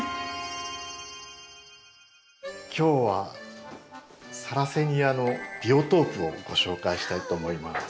今日はサラセニアのビオトープをご紹介したいと思います。